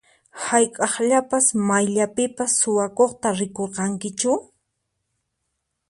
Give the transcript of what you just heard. Hayk'aqllapas mayllapipas suwakuqta rikurqankichu?